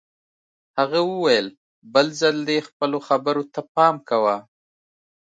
هغه وویل بل ځل دې خپلو خبرو ته پام کوه